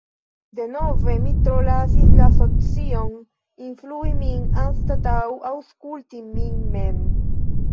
Denove, mi tro lasis la socion influi min anstataŭ aŭskulti min mem.